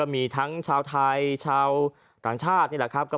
มีทั้งชาวไทยชาวต่างชาติ